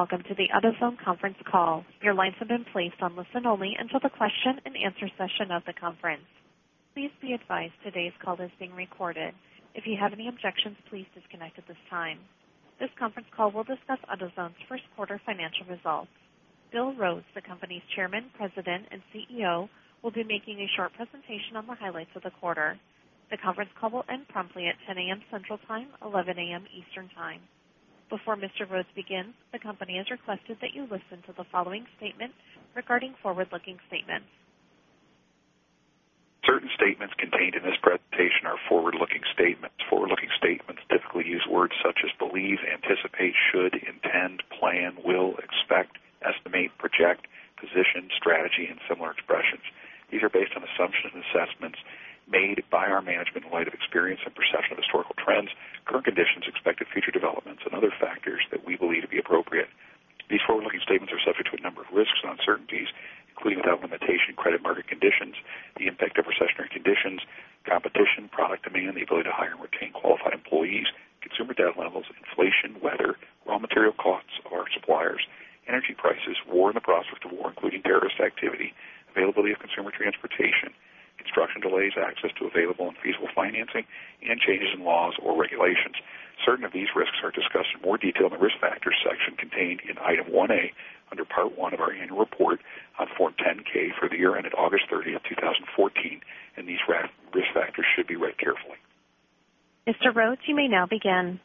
Welcome to the AutoZone conference call. Your lines have been placed on listen only until the question and answer session of the conference. Please be advised today's call is being recorded. If you have any objections, please disconnect at this time. This conference call will discuss AutoZone's first quarter financial results. Bill Rhodes, the company's Chairman, President, and CEO, will be making a short presentation on the highlights of the quarter. The conference call will end promptly at 10:00 A.M. Central Time, 11:00 A.M. Eastern Time. Before Mr. Rhodes begins, the company has requested that you listen to the following statement regarding forward-looking statements. Certain statements contained in this presentation are forward-looking statements. Forward-looking statements typically use words such as believe, anticipate, should, intend, plan, will, expect, estimate, project, position, strategy, and similar expressions. These are based on assumptions and assessments made by our management in light of experience and perception of historical trends, current conditions, expected future developments, and other factors that we believe to be appropriate. These forward-looking statements are subject to a number of risks and uncertainties, including without limitation, credit market conditions, the impact of recessionary conditions, competition, product demand, the ability to hire and retain qualified employees, consumer debt levels, inflation, weather, raw material costs of our suppliers, energy prices, war and the prospect of war, including terrorist activity, availability of consumer transportation, construction delays, access to available and feasible financing, and changes in laws or regulations. Certain of these risks are discussed in more detail in the Risk Factors section contained in Item 1A under Part one of our annual report on Form 10-K for the year ended August 30th, 2014. These risk factors should be read carefully. Mr. Rhodes, you may now begin.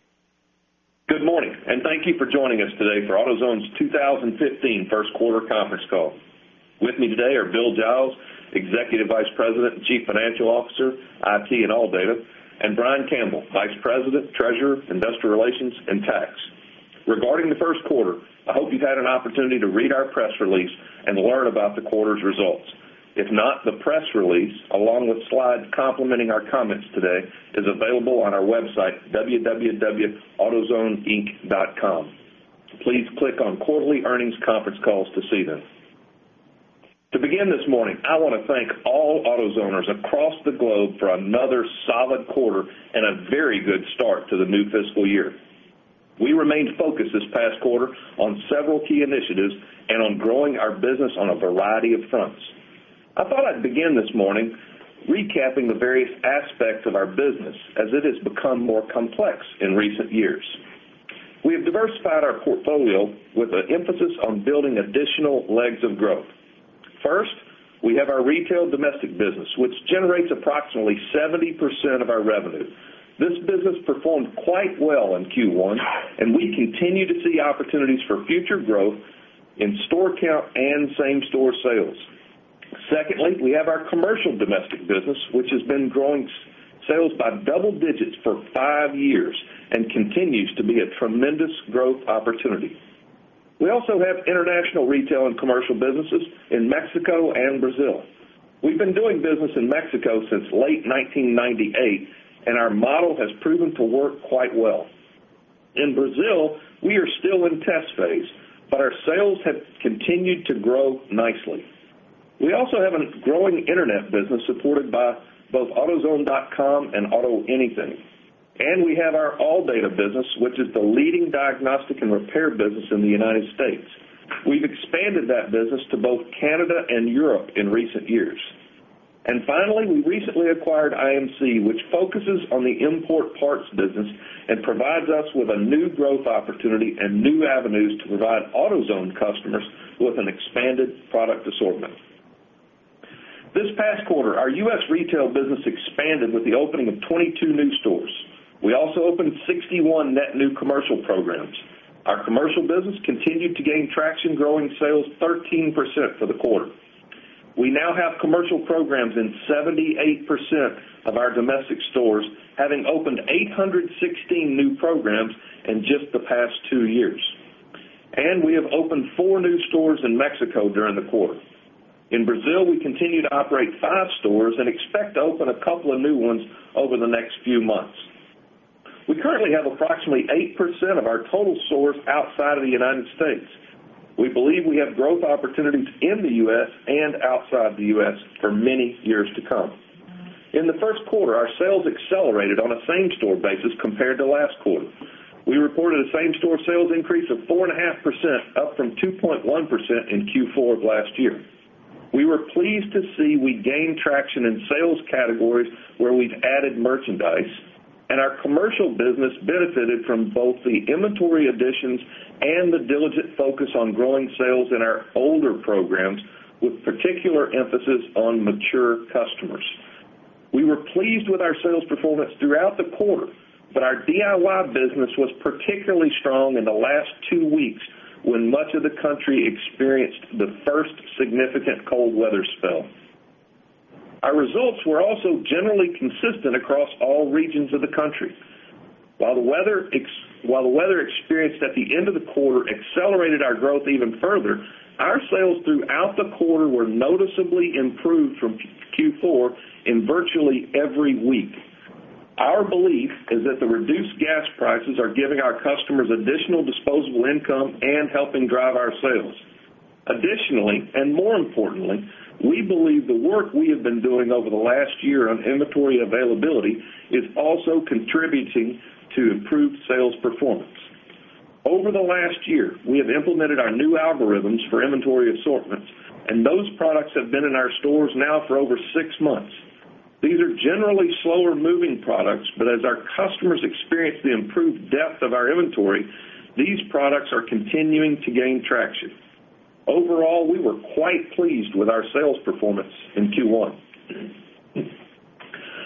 Good morning, thank you for joining us today for AutoZone's 2015 first quarter conference call. With me today are Bill Giles, Executive Vice President and Chief Financial Officer, IT, and ALLDATA, and Brian Campbell, Vice President, Treasurer, Investor Relations, and Tax. Regarding the first quarter, I hope you've had an opportunity to read our press release and learn about the quarter's results. If not, the press release, along with slides complementing our comments today, is available on our website, www.autozoneinc.com. Please click on Quarterly Earnings Conference Calls to see them. To begin this morning, I want to thank all AutoZoners across the globe for another solid quarter and a very good start to the new fiscal year. We remained focused this past quarter on several key initiatives and on growing our business on a variety of fronts. I thought I'd begin this morning recapping the various aspects of our business as it has become more complex in recent years. We have diversified our portfolio with an emphasis on building additional legs of growth. First, we have our retail domestic business, which generates approximately 70% of our revenue. This business performed quite well in Q1, we continue to see opportunities for future growth in store count and same-store sales. Secondly, we have our commercial domestic business, which has been growing sales by double digits for 5 years and continues to be a tremendous growth opportunity. We also have international retail and commercial businesses in Mexico and Brazil. We've been doing business in Mexico since late 1998, our model has proven to work quite well. In Brazil, we are still in test phase, our sales have continued to grow nicely. We also have a growing internet business supported by both autozone.com and AutoAnything. We have our ALLDATA business, which is the leading diagnostic and repair business in the U.S. We've expanded that business to both Canada and Europe in recent years. Finally, we recently acquired IMC, which focuses on the import parts business and provides us with a new growth opportunity and new avenues to provide AutoZone customers with an expanded product assortment. This past quarter, our U.S. retail business expanded with the opening of 22 new stores. We also opened 61 net new commercial programs. Our commercial business continued to gain traction, growing sales 13% for the quarter. We now have commercial programs in 78% of our domestic stores, having opened 816 new programs in just the past 2 years. We have opened 4 new stores in Mexico during the quarter. In Brazil, we continue to operate 5 stores and expect to open a couple of new ones over the next few months. We currently have approximately 8% of our total stores outside of the U.S. We believe we have growth opportunities in the U.S. and outside the U.S. for many years to come. In the first quarter, our sales accelerated on a same-store basis compared to last quarter. We reported a same-store sales increase of 4.5%, up from 2.1% in Q4 of last year. We were pleased to see we gained traction in sales categories where we've added merchandise, our commercial business benefited from both the inventory additions and the diligent focus on growing sales in our older programs, with particular emphasis on mature customers. We were pleased with our sales performance throughout the quarter, but our DIY business was particularly strong in the last two weeks when much of the country experienced the first significant cold weather spell. Our results were also generally consistent across all regions of the country. While the weather experienced at the end of the quarter accelerated our growth even further, our sales throughout the quarter were noticeably improved from Q4 in virtually every week. Our belief is that the reduced gas prices are giving our customers additional disposable income and helping drive our sales. Additionally, and more importantly, we believe the work we have been doing over the last year on inventory availability is also contributing to improved sales performance. Over the last year, we have implemented our new algorithms for inventory assortments, and those products have been in our stores now for over six months. These are generally slower-moving products, but as our customers experience the improved depth of our inventory, these products are continuing to gain traction. Overall, we were quite pleased with our sales performance in Q1.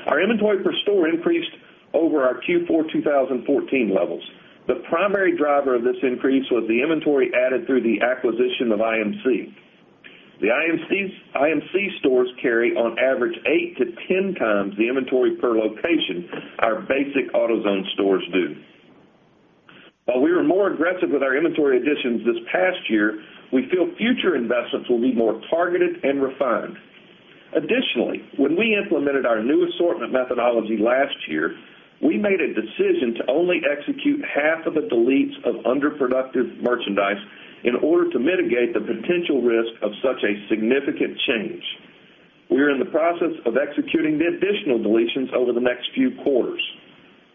Our inventory per store increased over our Q4 2014 levels. The primary driver of this increase was the inventory added through the acquisition of IMC. The IMC stores carry on average eight to 10 times the inventory per location our basic AutoZone stores do. While we were more aggressive with our inventory additions this past year, we feel future investments will be more targeted and refined. Additionally, when we implemented our new assortment methodology last year, we made a decision to only execute half of the deletes of underproductive merchandise in order to mitigate the potential risk of such a significant change. We are in the process of executing the additional deletions over the next few quarters.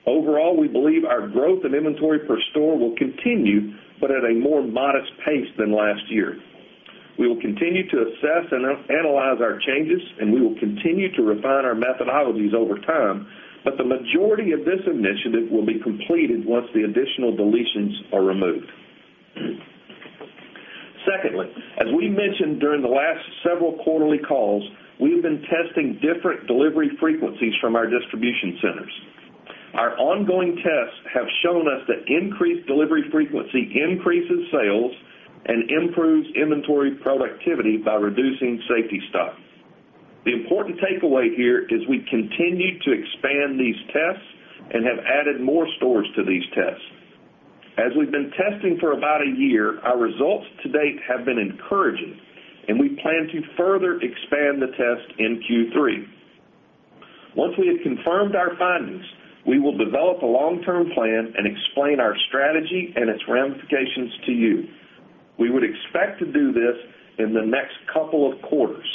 Overall, we believe our growth in inventory per store will continue, but at a more modest pace than last year. We will continue to assess and analyze our changes, and we will continue to refine our methodologies over time, but the majority of this initiative will be completed once the additional deletions are removed. Secondly, as we mentioned during the last several quarterly calls, we've been testing different delivery frequencies from our distribution centers. Our ongoing tests have shown us that increased delivery frequency increases sales and improves inventory productivity by reducing safety stock. The important takeaway here is we continue to expand these tests and have added more stores to these tests. As we've been testing for about a year, our results to date have been encouraging, and we plan to further expand the test in Q3. Once we have confirmed our findings, we will develop a long-term plan and explain our strategy and its ramifications to you. We would expect to do this in the next couple of quarters.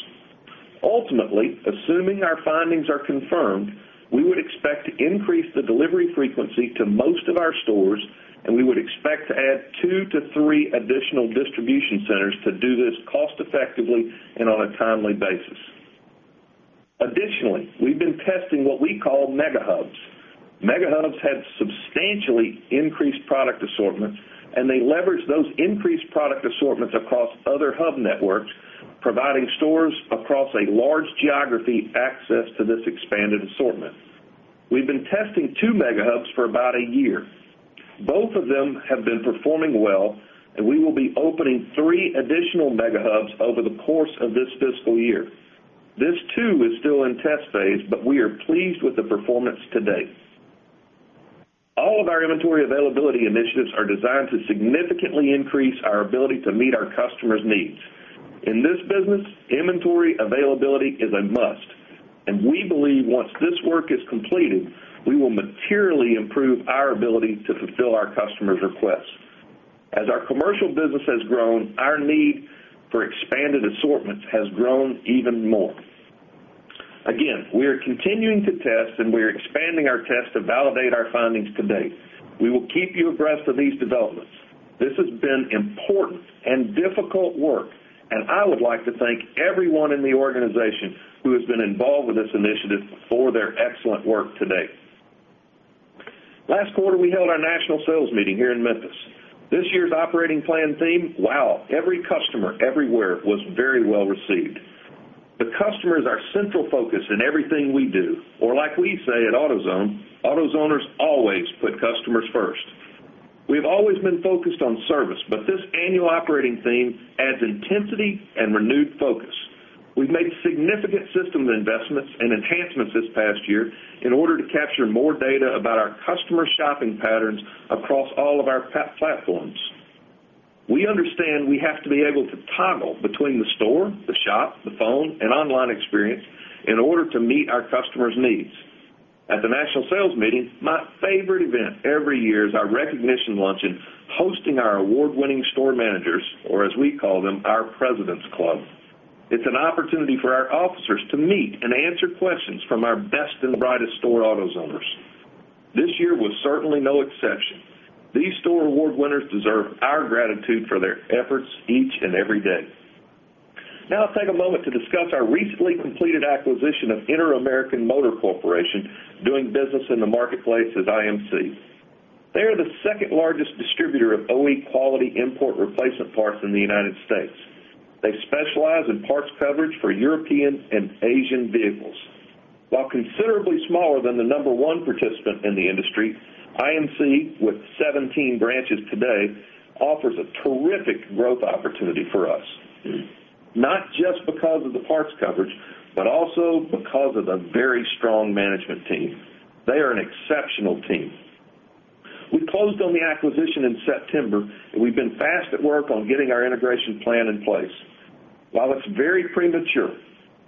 Ultimately, assuming our findings are confirmed, we would expect to increase the delivery frequency to most of our stores, and we would expect to add two to three additional distribution centers to do this cost effectively and on a timely basis. Additionally, we've been testing what we call mega hubs. Mega hubs have substantially increased product assortments, and they leverage those increased product assortments across other hub networks, providing stores across a large geography access to this expanded assortment. We've been testing two mega hubs for about a year. Both of them have been performing well, and we will be opening three additional mega hubs over the course of this fiscal year. This, too, is still in test phase, but we are pleased with the performance to date. All of our inventory availability initiatives are designed to significantly increase our ability to meet our customers' needs. In this business, inventory availability is a must, and we believe once this work is completed, we will materially improve our ability to fulfill our customers' requests. As our commercial business has grown, our need for expanded assortments has grown even more. Again, we are continuing to test, and we are expanding our test to validate our findings to date. We will keep you abreast of these developments. This has been important and difficult work, and I would like to thank everyone in the organization who has been involved with this initiative for their excellent work to date. Last quarter, we held our national sales meeting here in Memphis. This year's operating plan theme, "Wow every customer everywhere," was very well received. The customer is our central focus in everything we do, or like we say at AutoZone, "AutoZoners always put customers first." We have always been focused on service, but this annual operating theme adds intensity and renewed focus. We've made significant system investments and enhancements this past year in order to capture more data about our customer shopping patterns across all of our platforms. We understand we have to be able to toggle between the store, the shop, the phone, and online experience in order to meet our customers' needs. At the national sales meeting, my favorite event every year is our recognition luncheon, hosting our award-winning store managers, or as we call them, our President's Club. It's an opportunity for our officers to meet and answer questions from our best and brightest store AutoZoners. This year was certainly no exception. These store award winners deserve our gratitude for their efforts each and every day. Now I'll take a moment to discuss our recently completed acquisition of Interamerican Motor Corporation, doing business in the marketplace as IMC. They are the second largest distributor of OE-quality import replacement parts in the United States. They specialize in parts coverage for European and Asian vehicles. While considerably smaller than the number one participant in the industry, IMC, with 17 branches today, offers a terrific growth opportunity for us, not just because of the parts coverage, but also because of the very strong management team. They are an exceptional team. We closed on the acquisition in September, and we've been fast at work on getting our integration plan in place While it's very premature,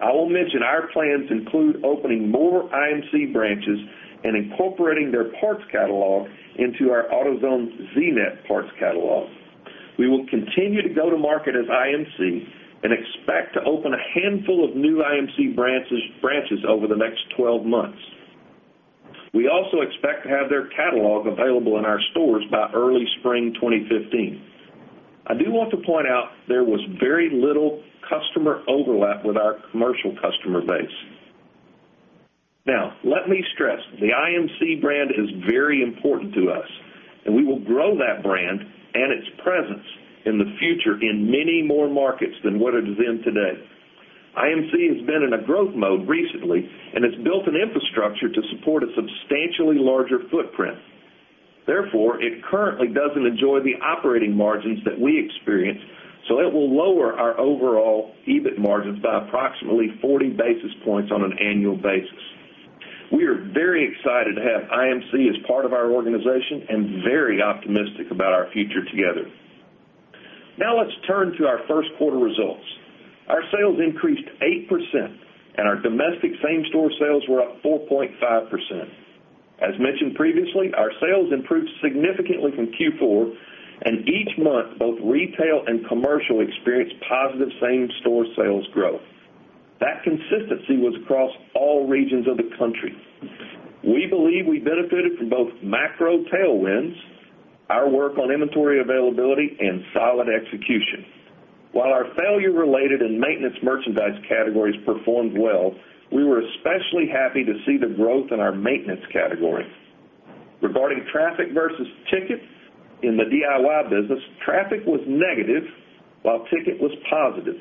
I will mention our plans include opening more IMC branches and incorporating their parts catalog into our AutoZone Z-net parts catalog. We will continue to go to market as IMC and expect to open a handful of new IMC branches over the next 12 months. We also expect to have their catalog available in our stores by early spring 2015. I do want to point out there was very little customer overlap with our commercial customer base. Let me stress, the IMC brand is very important to us, and we will grow that brand and its presence in the future in many more markets than what it is in today. IMC has been in a growth mode recently and has built an infrastructure to support a substantially larger footprint. It currently doesn't enjoy the operating margins that we experience, so it will lower our overall EBIT margins by approximately 40 basis points on an annual basis. We are very excited to have IMC as part of our organization and very optimistic about our future together. Let's turn to our first quarter results. Our sales increased 8%, and our domestic same-store sales were up 4.5%. As mentioned previously, our sales improved significantly from Q4, and each month, both retail and commercial experienced positive same-store sales growth. That consistency was across all regions of the country. We believe we benefited from both macro tailwinds, our work on inventory availability, and solid execution. While our failure-related and maintenance merchandise categories performed well, we were especially happy to see the growth in our maintenance category. Regarding traffic versus tickets in the DIY business, traffic was negative while ticket was positive.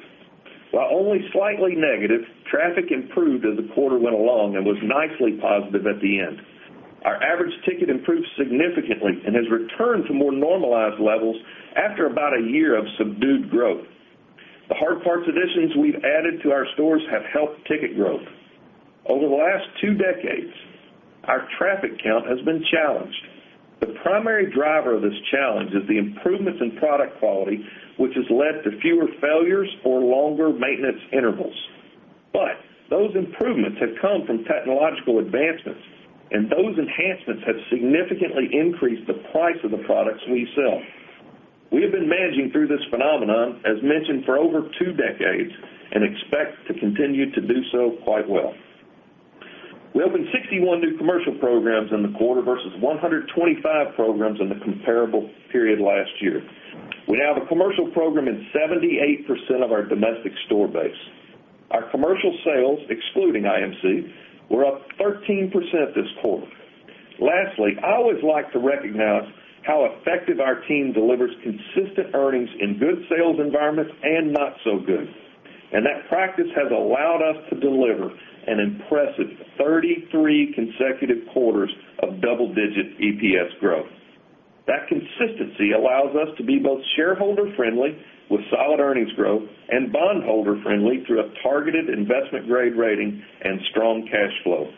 While only slightly negative, traffic improved as the quarter went along and was nicely positive at the end. Our average ticket improved significantly and has returned to more normalized levels after about a year of subdued growth. The hard parts additions we've added to our stores have helped ticket growth. Over the last two decades, our traffic count has been challenged. The primary driver of this challenge is the improvements in product quality, which has led to fewer failures or longer maintenance intervals. Those improvements have come from technological advancements, and those enhancements have significantly increased the price of the products we sell. We have been managing through this phenomenon, as mentioned, for over two decades and expect to continue to do so quite well. We opened 61 new commercial programs in the quarter versus 125 programs in the comparable period last year. We now have a commercial program in 78% of our domestic store base. Our commercial sales, excluding IMC, were up 13% this quarter. Lastly, I always like to recognize how effective our team delivers consistent earnings in good sales environments and not so good. That practice has allowed us to deliver an impressive 33 consecutive quarters of double-digit EPS growth. That consistency allows us to be both shareholder-friendly with solid earnings growth and bondholder-friendly through a targeted investment-grade rating and strong cash flow.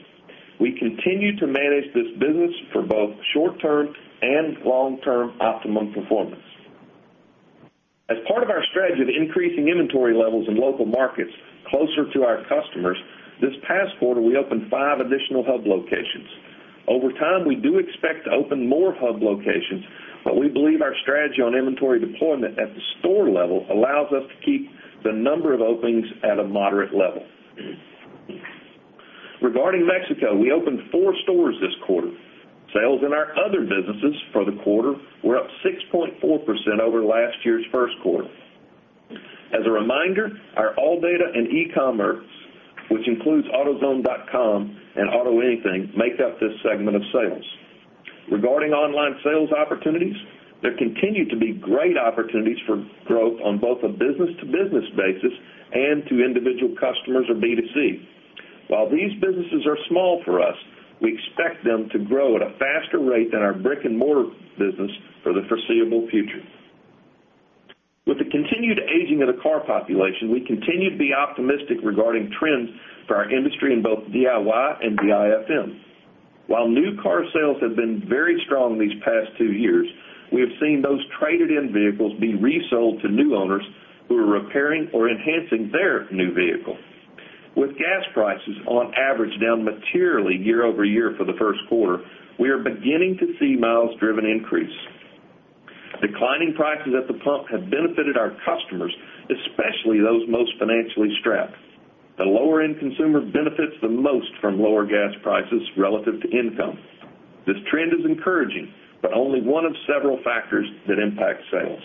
We continue to manage this business for both short-term and long-term optimum performance. As part of our strategy of increasing inventory levels in local markets closer to our customers, this past quarter, we opened five additional hub locations. Over time, we do expect to open more hub locations, but we believe our strategy on inventory deployment at the store level allows us to keep the number of openings at a moderate level. Regarding Mexico, we opened four stores this quarter. Sales in our other businesses for the quarter were up 6.4% over last year's first quarter. As a reminder, our ALLDATA and e-commerce, which includes autozone.com and AutoAnything, make up this segment of sales. Regarding online sales opportunities, there continue to be great opportunities for growth on both a business-to-business basis and to individual customers or B2C. While these businesses are small for us, we expect them to grow at a faster rate than our brick-and-mortar business for the foreseeable future. With the continued aging of the car population, we continue to be optimistic regarding trends for our industry in both DIY and DIFM. While new car sales have been very strong these past two years, we have seen those traded in vehicles being resold to new owners who are repairing or enhancing their new vehicle. With gas prices on average down materially year-over-year for the first quarter, we are beginning to see miles driven increase. Declining prices at the pump have benefited our customers, especially those most financially strapped. The lower-end consumer benefits the most from lower gas prices relative to income. This trend is encouraging, but only one of several factors that impact sales.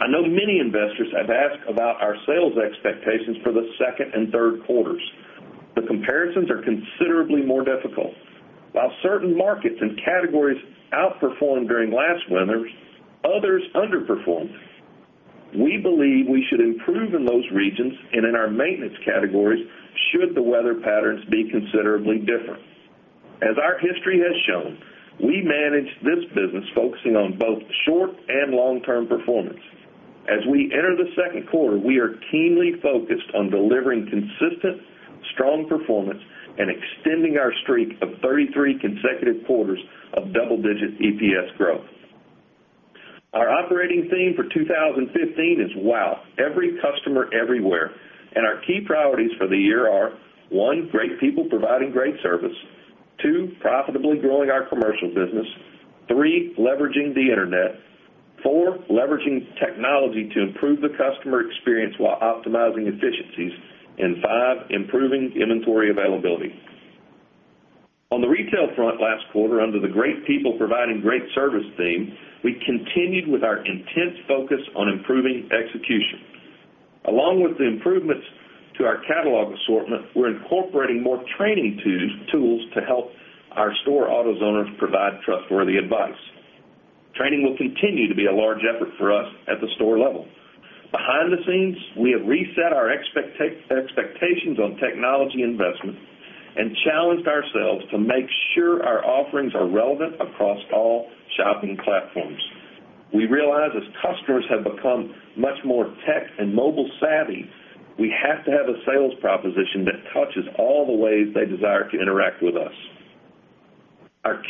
I know many investors have asked about our sales expectations for the second and third quarters. The comparisons are considerably more difficult. While certain markets and categories outperformed during last winter, others underperformed. We believe we should improve in those regions and in our maintenance categories should the weather patterns be considerably different. As our history has shown, we manage this business focusing on both short- and long-term performance. As we enter the second quarter, we are keenly focused on delivering consistent strong performance and extending our streak of 33 consecutive quarters of double-digit EPS growth. Our operating theme for 2015 is "Wow, every customer everywhere." Our key priorities for the year are, one, great people providing great service. Two, profitably growing our commercial business. Three, leveraging the internet. Four, leveraging technology to improve the customer experience while optimizing efficiencies. Five, improving inventory availability. On the retail front last quarter under the great people providing great service theme, we continued with our intense focus on improving execution. Along with the improvements to our catalog assortment, we're incorporating more training tools to help our store AutoZoners provide trustworthy advice. Training will continue to be a large effort for us at the store level. Behind the scenes, we have reset our expectations on technology investments and challenged ourselves to make sure our offerings are relevant across all shopping platforms. We realize as customers have become much more tech and mobile savvy, we have to have a sales proposition that touches all the ways they desire to interact with us. Our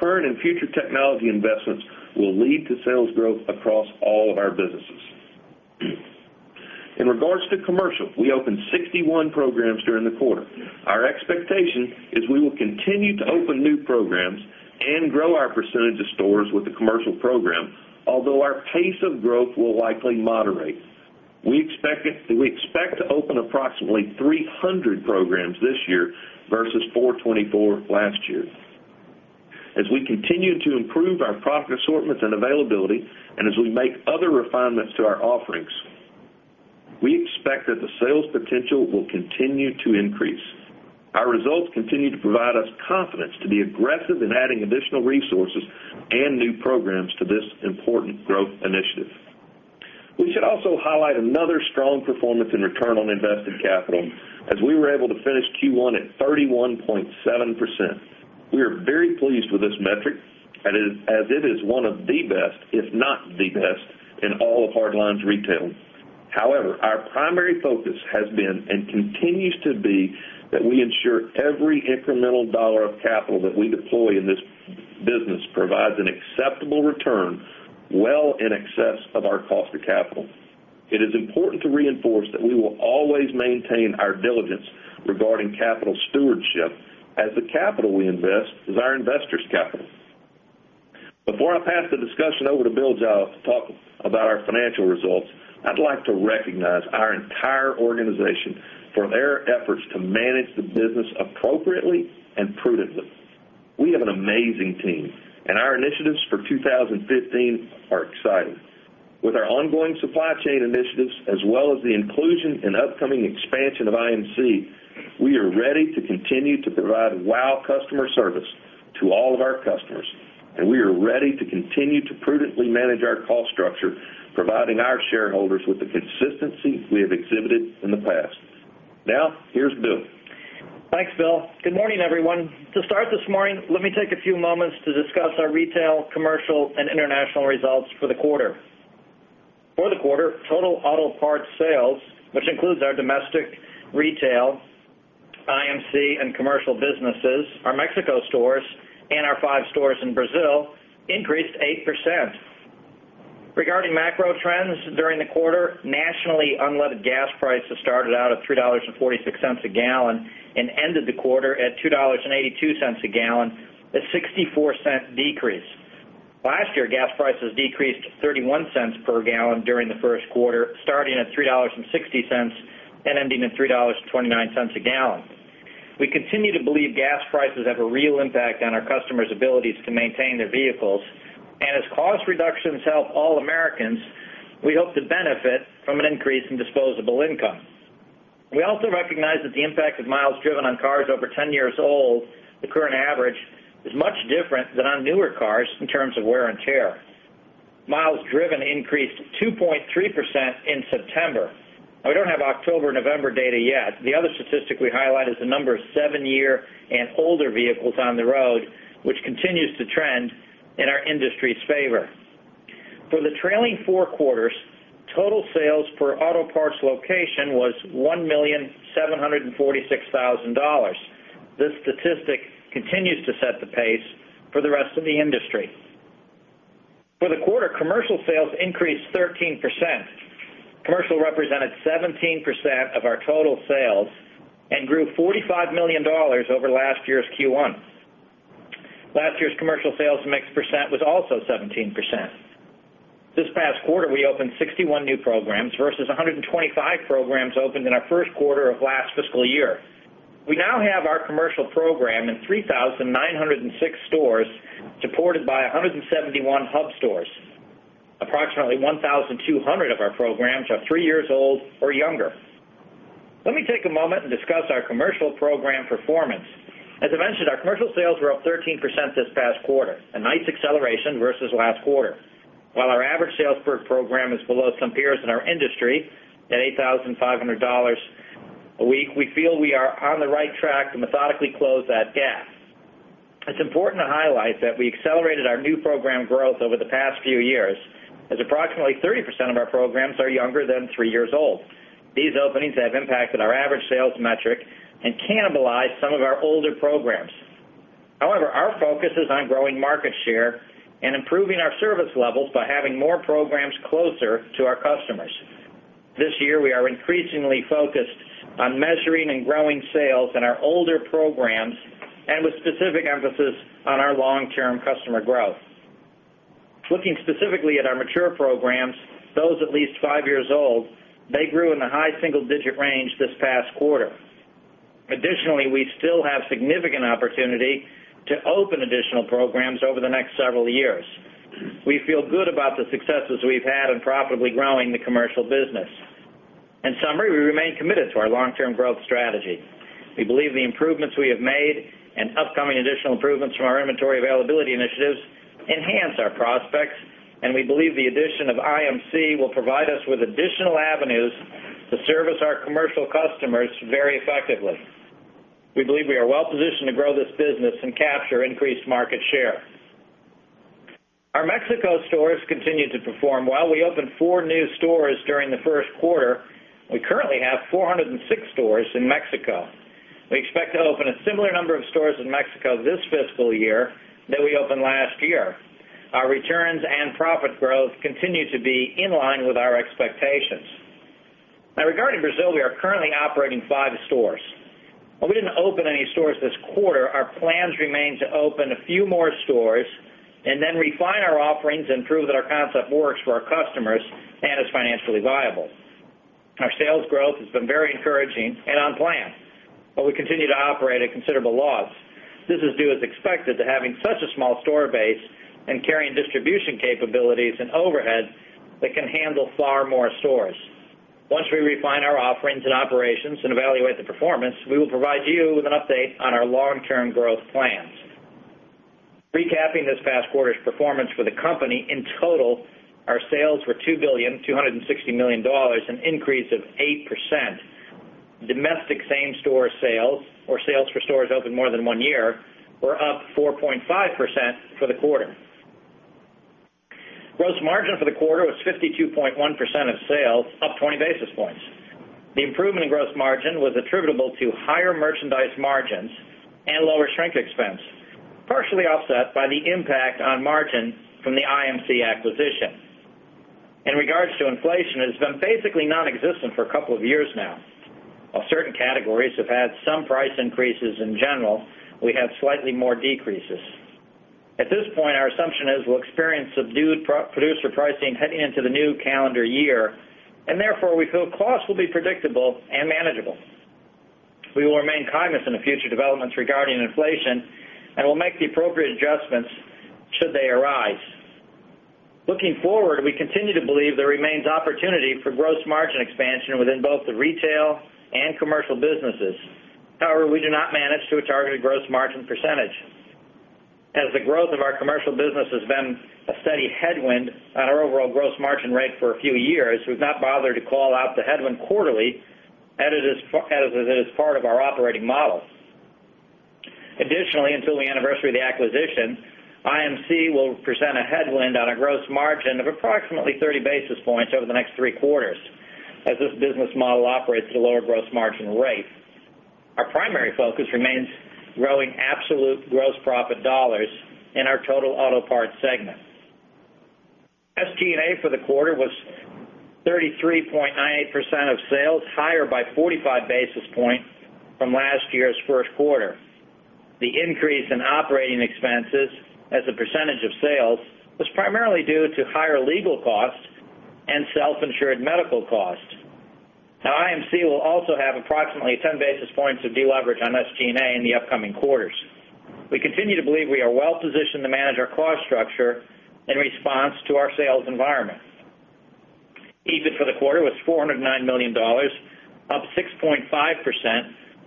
current and future technology investments will lead to sales growth across all of our businesses. In regards to commercial, we opened 61 programs during the quarter. Our expectation is we will continue to open new programs and grow our percentage of stores with the commercial program, although our pace of growth will likely moderate. We expect to open approximately 300 programs this year versus 424 last year. As we continue to improve our profit assortments and availability, and as we make other refinements to our offerings, we expect that the sales potential will continue to increase. Our results continue to provide us confidence to be aggressive in adding additional resources and new programs to this important growth initiative. We should also highlight another strong performance in return on invested capital as we were able to finish Q1 at 31.7%. We are very pleased with this metric as it is one of the best, if not the best, in all of hardlines retail. However, our primary focus has been and continues to be that we ensure every incremental dollar of capital that we deploy in this business provides an acceptable return well in excess of our cost of capital. It is important to reinforce that we will always maintain our diligence regarding capital stewardship as the capital we invest is our investors' capital. Before I pass the discussion over to Bill Giles to talk about our financial results, I'd like to recognize our entire organization for their efforts to manage the business appropriately and prudently. We have an amazing team, and our initiatives for 2015 are exciting. With our ongoing supply chain initiatives as well as the inclusion and upcoming expansion of IMC, we are ready to continue to provide wow customer service to all of our customers, and we are ready to continue to prudently manage our cost structure, providing our shareholders with the consistency we have exhibited in the past. Now, here's Bill. Thanks, Bill. Good morning, everyone. To start this morning, let me take a few moments to discuss our retail, commercial, and international results for the quarter. For the quarter, total auto parts sales, which includes our domestic retail, IMC, and commercial businesses, our Mexico stores, and our five stores in Brazil, increased 8%. Regarding macro trends during the quarter, nationally unleaded gas prices started out at $3.46 a gallon and ended the quarter at $2.82 a gallon, a $0.64 decrease. Last year, gas prices decreased $0.31 per gallon during the first quarter, starting at $3.60 and ending at $3.29 a gallon. We continue to believe gas prices have a real impact on our customers' abilities to maintain their vehicles, and as cost reductions help all Americans, we hope to benefit from an increase in disposable income. We also recognize that the impact of miles driven on cars over 10 years old, the current average, is much different than on newer cars in terms of wear and tear. Miles driven increased 2.3% in September. We don't have October-November data yet. The other statistic we highlight is the number of seven-year and older vehicles on the road, which continues to trend in our industry's favor. For the trailing four quarters, total sales per auto parts location was $1,746,000. This statistic continues to set the pace for the rest of the industry. For the quarter, commercial sales increased 13%. Commercial represented 17% of our total sales and grew $45 million over last year's Q1. Last year's commercial sales mix percent was also 17%. This past quarter, we opened 61 new programs versus 125 programs opened in our first quarter of last fiscal year. We now have our commercial program in 3,906 stores supported by 171 hub stores. Approximately 1,200 of our programs are three years old or younger. Let me take a moment and discuss our commercial program performance. As I mentioned, our commercial sales were up 13% this past quarter, a nice acceleration versus last quarter. While our average sales per program is below some peers in our industry at $8,500 a week, we feel we are on the right track to methodically close that gap. It's important to highlight that we accelerated our new program growth over the past few years, as approximately 30% of our programs are younger than three years old. These openings have impacted our average sales metric and cannibalized some of our older programs. However, our focus is on growing market share and improving our service levels by having more programs closer to our customers. This year, we are increasingly focused on measuring and growing sales in our older programs, with specific emphasis on our long-term customer growth. Looking specifically at our mature programs, those at least five years old, they grew in the high single-digit range this past quarter. Additionally, we still have significant opportunity to open additional programs over the next several years. We feel good about the successes we've had in profitably growing the commercial business. In summary, we remain committed to our long-term growth strategy. We believe the improvements we have made and upcoming additional improvements from our inventory availability initiatives enhance our prospects, and we believe the addition of IMC will provide us with additional avenues to service our commercial customers very effectively. We believe we are well-positioned to grow this business and capture increased market share. Our Mexico stores continue to perform well. We opened four new stores during the first quarter. We currently have 406 stores in Mexico. We expect to open a similar number of stores in Mexico this fiscal year that we opened last year. Our returns and profit growth continue to be in line with our expectations. Now, regarding Brazil, we are currently operating five stores. While we didn't open any stores this quarter, our plans remain to open a few more stores and then refine our offerings and prove that our concept works for our customers and is financially viable. Our sales growth has been very encouraging and on plan, we continue to operate at considerable loss. This is due, as expected, to having such a small store base and carrying distribution capabilities and overhead that can handle far more stores. Once we refine our offerings and operations and evaluate the performance, we will provide you with an update on our long-term growth plans. Recapping this past quarter's performance for the company, in total, our sales were $2,260,000,000, an increase of 8%. Domestic same-store sales or sales for stores open more than one year were up 4.5% for the quarter. Gross margin for the quarter was 52.1% of sales, up 20 basis points. The improvement in gross margin was attributable to higher merchandise margins and lower shrink expense, partially offset by the impact on margin from the IMC acquisition. In regards to inflation, it has been basically nonexistent for a couple of years now. While certain categories have had some price increases, in general, we have slightly more decreases. At this point, our assumption is we'll experience subdued producer pricing heading into the new calendar year. Therefore, we feel costs will be predictable and manageable. We will remain cognizant of future developments regarding inflation and will make the appropriate adjustments should they arise. Looking forward, we continue to believe there remains opportunity for gross margin expansion within both the retail and commercial businesses. However, we do not manage to a targeted gross margin percentage. As the growth of our commercial business has been a steady headwind on our overall gross margin rate for a few years, we've not bothered to call out the headwind quarterly as it is part of our operating model. Additionally, until the anniversary of the acquisition, IMC will present a headwind on a gross margin of approximately 30 basis points over the next three quarters, as this business model operates at a lower gross margin rate. Our primary focus remains growing absolute gross profit dollars in our total auto parts segment. SG&A for the quarter was 33.98% of sales, higher by 45 basis points from last year's first quarter. The increase in operating expenses as a percentage of sales was primarily due to higher legal costs and self-insured medical costs. Now, IMC will also have approximately 10 basis points of deleverage on SG&A in the upcoming quarters. We continue to believe we are well-positioned to manage our cost structure in response to our sales environment. EBIT for the quarter was $409 million, up 6.5%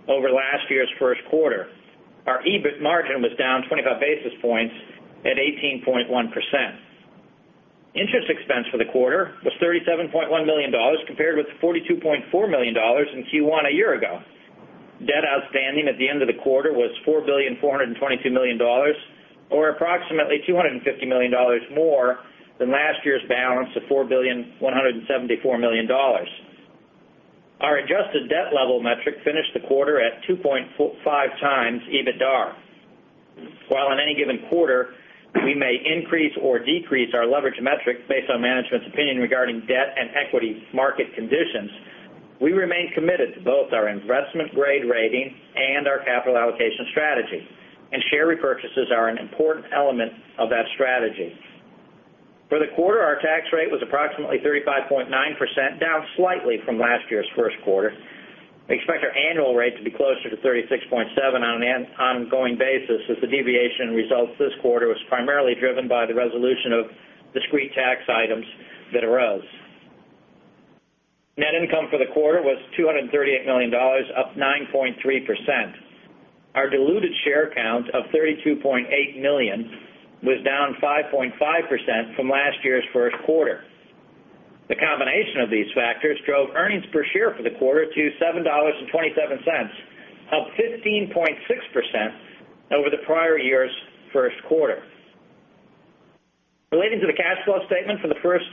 over last year's first quarter. Our EBIT margin was down 25 basis points at 18.1%. Interest expense for the quarter was $37.1 million compared with $42.4 million in Q1 a year ago. Debt outstanding at the end of the quarter was $4.422 billion, or approximately $250 million more than last year's balance of $4.174 billion. Our adjusted debt level metric finished the quarter at 2.5 times EBITDAR. While on any given quarter, we may increase or decrease our leverage metrics based on management's opinion regarding debt and equity market conditions, we remain committed to both our investment-grade rating and our capital allocation strategy. Share repurchases are an important element of that strategy. For the quarter, our tax rate was approximately 35.9%, down slightly from last year's first quarter. We expect our annual rate to be closer to 36.7% on an ongoing basis, as the deviation in results this quarter was primarily driven by the resolution of discrete tax items that arose. Net income for the quarter was $238 million, up 9.3%. Our diluted share count of 32.8 million was down 5.5% from last year's first quarter. The combination of these factors drove earnings per share for the quarter to $7.27, up 15.6% over the prior year's first quarter. Relating to the cash flow statement for the first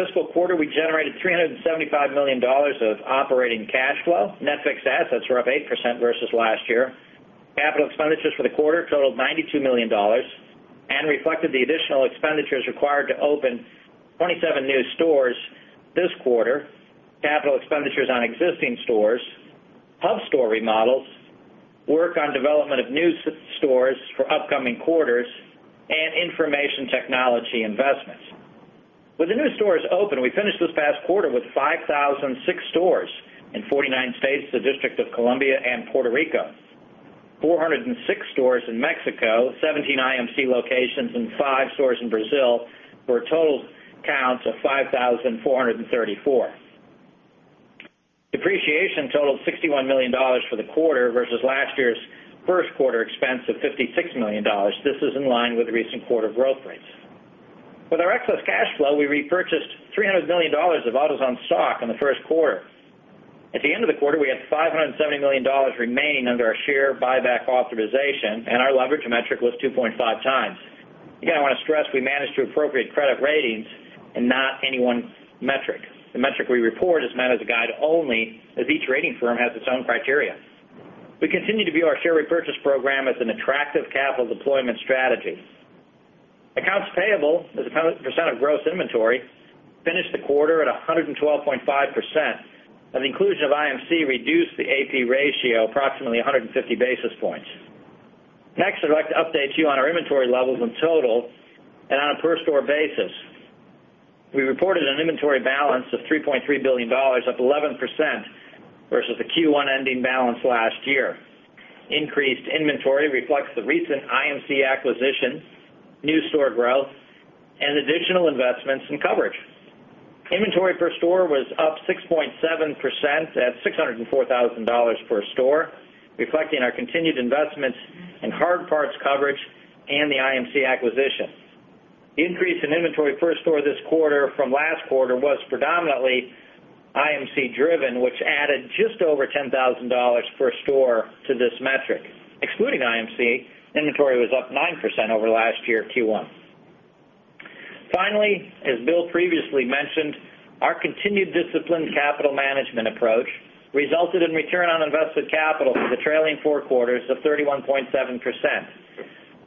fiscal quarter, we generated $375 million of operating cash flow. Net fixed assets were up 8% versus last year. Capital expenditures for the quarter totaled $92 million and reflected the additional expenditures required to open 27 new stores this quarter, capital expenditures on existing stores, hub store remodels, work on development of new stores for upcoming quarters, and information technology investments. With the new stores open, we finished this past quarter with 5,006 stores in 49 states, the District of Columbia, and Puerto Rico, 406 stores in Mexico, 17 IMC locations and five stores in Brazil for a total count of 5,434. Depreciation totaled $61 million for the quarter versus last year's first quarter expense of $56 million. This is in line with recent quarter growth rates. With our excess cash flow, we repurchased $300 million of AutoZone stock in the first quarter. At the end of the quarter, we had $570 million remaining under our share buyback authorization, and our leverage metric was 2.5 times. Again, I want to stress we manage to appropriate credit ratings and not any one metric. The metric we report is meant as a guide only, as each rating firm has its own criteria. We continue to view our share repurchase program as an attractive capital deployment strategy. Accounts payable as a percent of gross inventory finished the quarter at 112.5%, and the inclusion of IMC reduced the AP ratio approximately 150 basis points. Next, I'd like to update you on our inventory levels in total and on a per store basis. We reported an inventory balance of $3.3 billion, up 11% versus the Q1 ending balance last year. Increased inventory reflects the recent IMC acquisition, new store growth, and additional investments in coverage. Inventory per store was up 6.7% at $604,000 per store, reflecting our continued investments in hard parts coverage and the IMC acquisition. The increase in inventory per store this quarter from last quarter was predominantly IMC driven, which added just over $10,000 per store to this metric. Excluding IMC, inventory was up 9% over last year Q1. Finally, as Bill previously mentioned, our continued disciplined capital management approach resulted in return on invested capital for the trailing four quarters of 31.7%.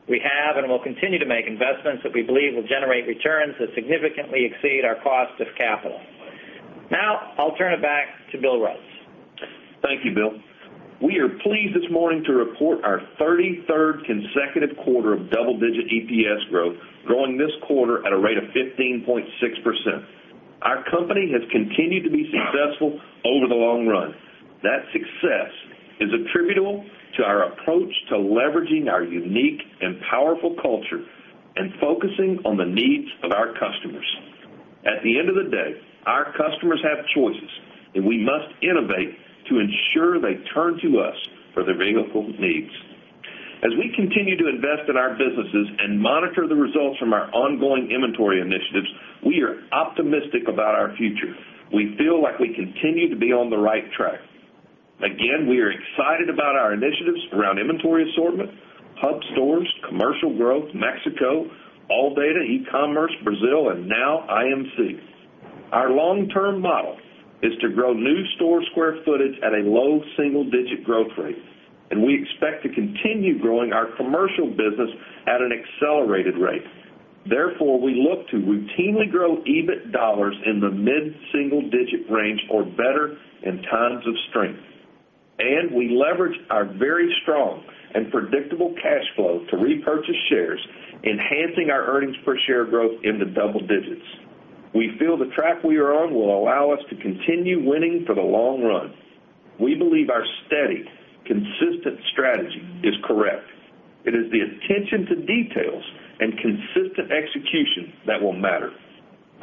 We have and will continue to make investments that we believe will generate returns that significantly exceed our cost of capital. Now, I'll turn it back to Bill Rhodes. Thank you, Bill. We are pleased this morning to report our 33rd consecutive quarter of double-digit EPS growth, growing this quarter at a rate of 15.6%. Our company has continued to be successful over the long run. That success is attributable to our approach to leveraging our unique and powerful culture and focusing on the needs of our customers. At the end of the day, our customers have choices, and we must innovate to ensure they turn to us for their vehicle needs. As we continue to invest in our businesses and monitor the results from our ongoing inventory initiatives, we are optimistic about our future. We feel like we continue to be on the right track. Again, we are excited about our initiatives around inventory assortment, hub stores, commercial growth, Mexico, ALLDATA, e-commerce, Brazil, and now IMC. Our long-term model is to grow new store square footage at a low single-digit growth rate, and we expect to continue growing our commercial business at an accelerated rate. Therefore, we look to routinely grow EBIT dollars in the mid-single digit range or better in times of strength. We leverage our very strong and predictable cash flow to repurchase shares, enhancing our earnings per share growth into double digits. We feel the track we are on will allow us to continue winning for the long run. We believe our steady, consistent strategy is correct. It is the attention to details and consistent execution that will matter.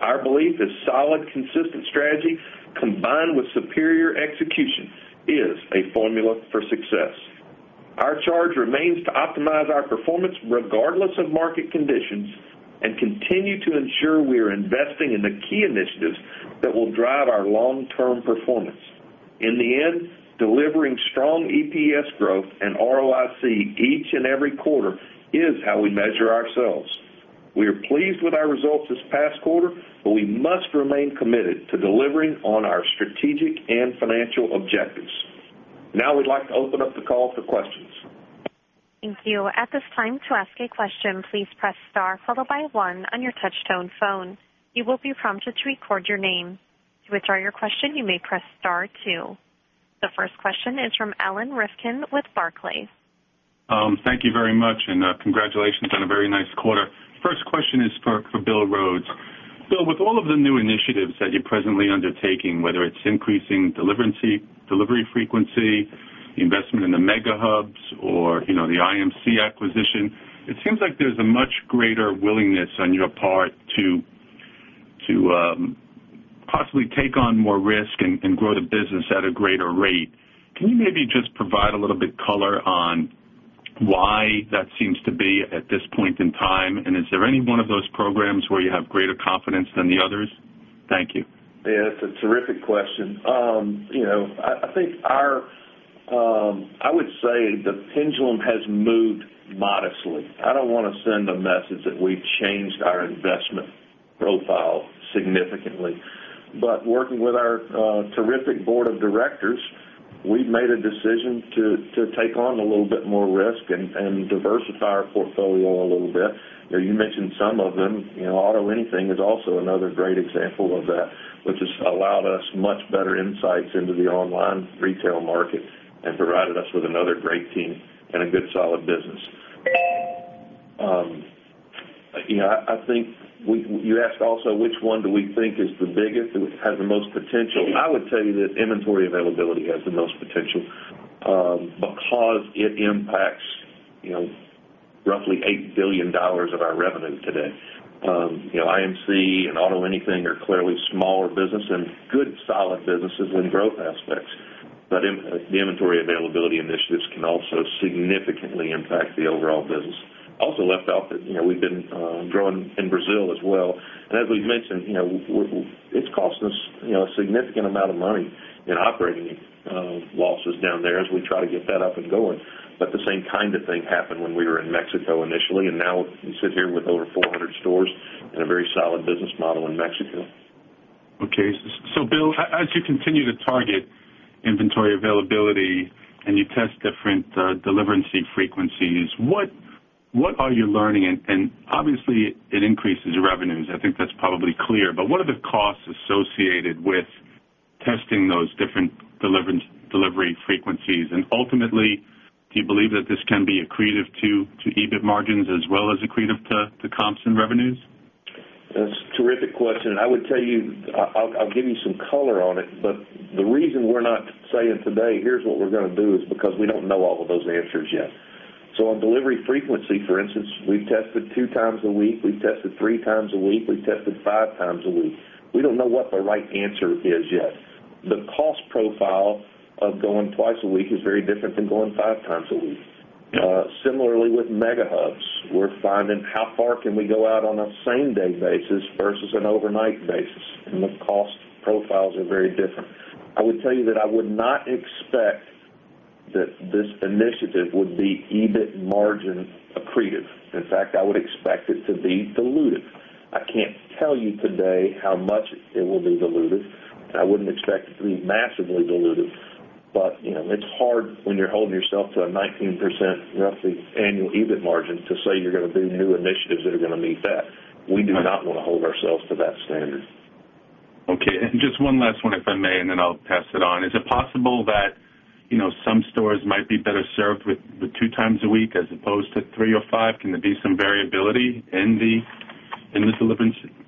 Our belief is solid, consistent strategy combined with superior execution is a formula for success. Our charge remains to optimize our performance regardless of market conditions and continue to ensure we are investing in the key initiatives that will drive our long-term performance. In the end, delivering strong EPS growth and ROIC each and every quarter is how we measure ourselves. We are pleased with our results this past quarter, but we must remain committed to delivering on our strategic and financial objectives. We'd like to open up the call for questions. Thank you. At this time, to ask a question, please press star followed by one on your touchtone phone. You will be prompted to record your name. To withdraw your question, you may press star two. The first question is from Alan Rifkin with Barclays. Thank you very much and congratulations on a very nice quarter. First question is for Bill Rhodes. Bill, with all of the new initiatives that you're presently undertaking, whether it's increasing delivery frequency, the investment in the mega hubs or the IMC acquisition, it seems like there's a much greater willingness on your part to possibly take on more risk and grow the business at a greater rate. Can you maybe just provide a little bit color on why that seems to be at this point in time, and is there any one of those programs where you have greater confidence than the others? Thank you. Yeah, that's a terrific question. I would say the pendulum has moved modestly. I don't want to send a message that we've changed our investment profile significantly. Working with our terrific board of directors, we've made a decision to take on a little bit more risk and diversify our portfolio a little bit. You mentioned some of them. AutoAnything is also another great example of that, which has allowed us much better insights into the online retail market and provided us with another great team and a good, solid business. You asked also which one do we think is the biggest, has the most potential. I would tell you that inventory availability has the most potential because it impacts roughly $8 billion of our revenue today. IMC and AutoAnything are clearly smaller business and good, solid businesses in growth aspects. The inventory availability initiatives can also significantly impact the overall business. I also left out that we've been growing in Brazil as well. As we've mentioned, it's costing us a significant amount of money in operating losses down there as we try to get that up and going. The same kind of thing happened when we were in Mexico initially, and now we sit here with over 400 stores and a very solid business model in Mexico. Okay. Bill, as you continue to target inventory availability and you test different delivery frequencies, what are you learning? Obviously, it increases your revenues. I think that's probably clear. What are the costs associated with testing those different delivery frequencies? Ultimately, do you believe that this can be accretive to EBIT margins as well as accretive to comps and revenues? That's a terrific question. I would tell you, I'll give you some color on it. The reason we're not saying today, "Here's what we're going to do," is because we don't know all of those answers yet. On delivery frequency, for instance, we've tested two times a week, we've tested three times a week, we've tested five times a week. We don't know what the right answer is yet. The cost profile of going twice a week is very different than going five times a week. Similarly, with mega hubs, we're finding how far can we go out on a same-day basis versus an overnight basis, and the cost profiles are very different. I would tell you that I would not expect that this initiative would be EBIT margin accretive. In fact, I would expect it to be dilutive. It's hard when you're holding yourself to a 19%, roughly, annual EBIT margin to say you're going to do new initiatives that are going to meet that. We do not want to hold ourselves to that standard. Okay, just one last one, if I may, then I'll pass it on. Is it possible that some stores might be better served with two times a week as opposed to three or five? Can there be some variability in the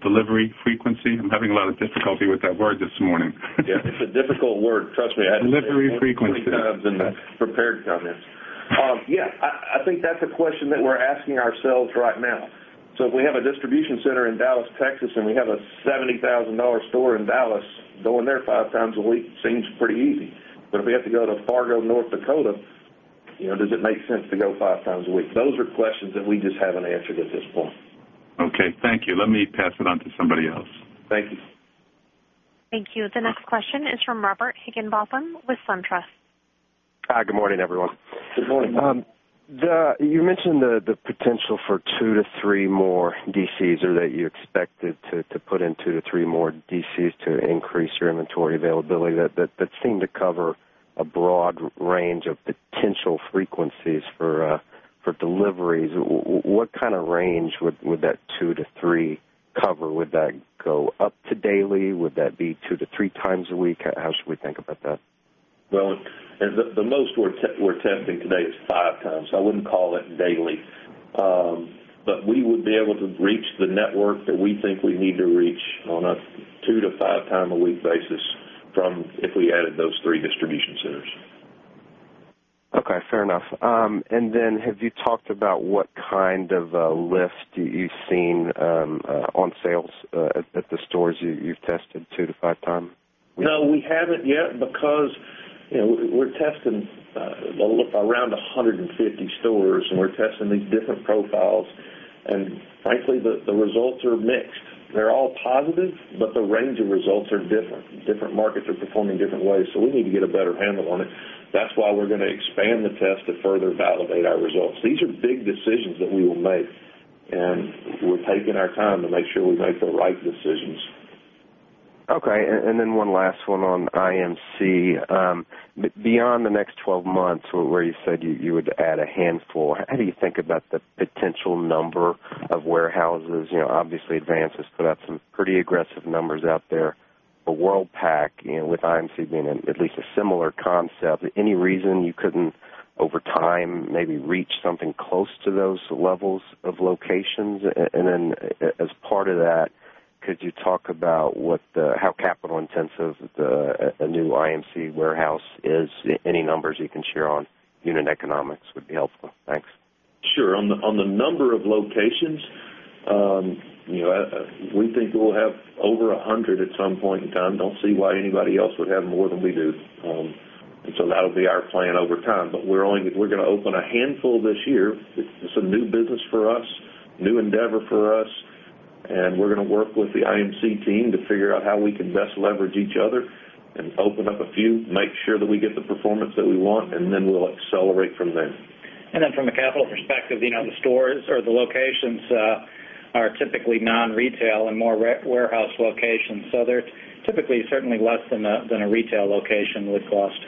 delivery frequency? I'm having a lot of difficulty with that word this morning. Yeah, it's a difficult word. Trust me, I had to- Delivery frequency look at it many times in the prepared comments. Yeah, I think that's a question that we're asking ourselves right now. If we have a distribution center in Dallas, Texas, and we have a $70,000 store in Dallas, going there five times a week seems pretty easy. If we have to go to Fargo, North Dakota, does it make sense to go five times a week? Those are questions that we just haven't answered at this point. Okay, thank you. Let me pass it on to somebody else. Thank you. Thank you. The next question is from Robert Higginbotham with SunTrust. Hi, good morning, everyone. Good morning. You mentioned the potential for two to three more DCs, or that you expected to put in two to three more DCs to increase your inventory availability. That seemed to cover a broad range of potential frequencies for deliveries. What kind of range would that two to three cover? Would that go up to daily? Would that be two to three times a week? How should we think about that? Well, the most we're testing today is five times. I wouldn't call it daily. We would be able to reach the network that we think we need to reach on a two to five time a week basis if we added those three distribution centers. Okay, fair enough. Have you talked about what kind of a lift you've seen on sales at the stores you've tested 2 to 5 times a week? No, we haven't yet because we're testing around 150 stores, we're testing these different profiles. Frankly, the results are mixed. They're all positive, but the range of results are different. Different markets are performing different ways, we need to get a better handle on it. That's why we're going to expand the test to further validate our results. These are big decisions that we will make, we're taking our time to make sure we make the right decisions. Okay. One last one on IMC. Beyond the next 12 months where you said you would add a handful, how do you think about the potential number of warehouses? Obviously, Advance has put out some pretty aggressive numbers out there. Worldpac, with IMC being at least a similar concept, any reason you couldn't, over time, maybe reach something close to those levels of locations? As part of that, could you talk about how capital intensive a new IMC warehouse is? Any numbers you can share on unit economics would be helpful. Thanks. Sure. On the number of locations We think we'll have over 100 at some point in time. Don't see why anybody else would have more than we do. That'll be our plan over time. We're going to open a handful this year. It's a new business for us, new endeavor for us, we're going to work with the IMC team to figure out how we can best leverage each other open up a few, make sure that we get the performance that we want, we'll accelerate from there. From a capital perspective, the stores or the locations are typically non-retail and more warehouse locations. They're typically certainly less than a retail location would cost.